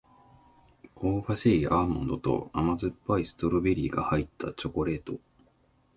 香ばしいアーモンドと甘酸っぱいストロベリーが入ったチョコレート